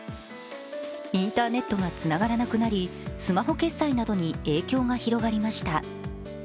インターネットがつながらなくなり、スマホ決済などに影響が広がりました。